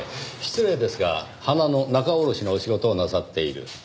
失礼ですが花の仲卸のお仕事をなさっている？